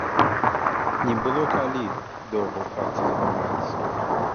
Не было калі доўга ў хаце забаўляцца.